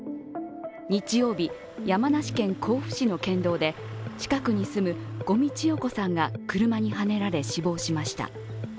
日曜日、山梨県甲府市の県道で近くに住む五味千代子さんが車にはねられ、死亡しました。